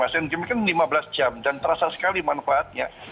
asean games kan lima belas jam dan terasa sekali manfaatnya